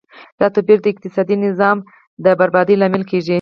دا توپیر د اقتصادي نظام د بربادۍ لامل کیږي.